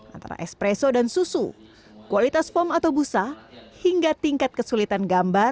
antara espresso dan susu kualitas foam atau busa hingga tingkat kesulitan gambar